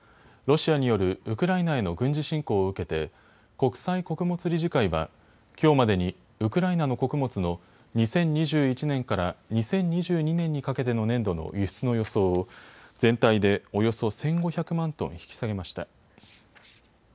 ロシアによるウクライナへの軍事侵攻を受けて国際穀物理事会はきょうまでにウクライナの穀物の２０２１年から２０２２年にかけての年度の輸出の予想を全体でおよそ１５００万トン引き下げました。